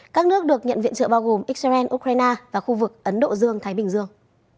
các nước được nhận viện trợ bao gồm israel ukraine và khu vực ấn độ dương thái bình dương